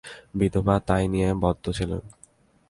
বিধবা তাই নিয়েই বদ্ধ ছিলেন।